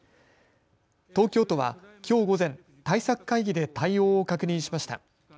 東京都はきょう午前、対策会議で対応を確認しました。